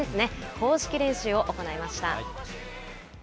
公式練習を行いました。